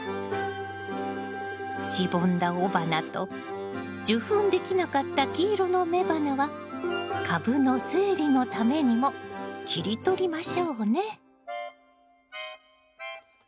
しぼんだ雄花と受粉できなかった黄色の雌花は株の整理のためにも切り取りましょうね。